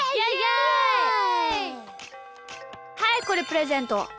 はいこれプレゼント。